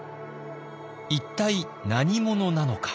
一体何者なのか。